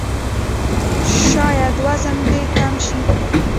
شاید وزن دې کم شي!